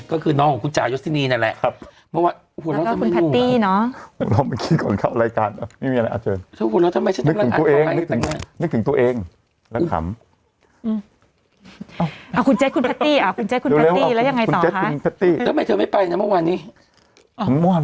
ก็คือน้องของคุณจ่ายศินีย์นั่นแหละเพราะว่าหัวหน้าคุณพัตตี้น้องครับ